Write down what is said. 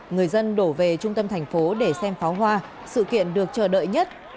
người dân đổ về trung tâm thành phố để xem pháo hoa sự kiện được chờ đợi nhất